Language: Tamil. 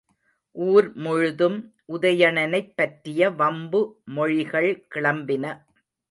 ஊர்முழுதும் உதயணனைப் பற்றிய வம்பு மொழிகள் கிளம்பின.